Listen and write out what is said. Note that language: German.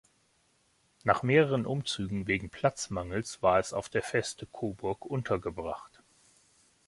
Nach mehreren Umzügen wegen Platzmangels war es auf der Veste Coburg untergebracht.